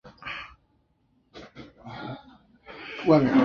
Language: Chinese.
此作亦是他为人所知的作品之一。